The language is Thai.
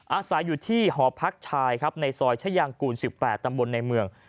อาศัยอยู่ที่หอพักชายครับในซอยชายางกูล๑๘ตำบลในเมือง